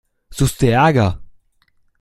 Suchst du Ärger?